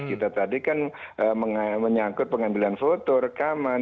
kita tadi kan menyangkut pengambilan foto rekaman